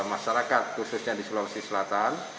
masyarakat khususnya di sulawesi selatan